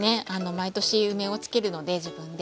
毎年梅を漬けるので自分で。